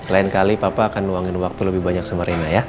lain kali papa akan nuangin waktu lebih banyak sama rina ya